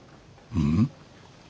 うん？